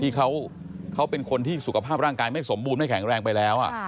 ที่เขาเป็นคนที่สุขภาพร่างกายไม่สมบูรณไม่แข็งแรงไปแล้ว